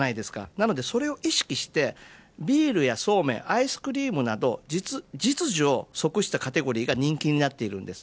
なので、それを意識してビールやそうめんアイスクリームなど実需を即したカテゴリが人気になっているんです。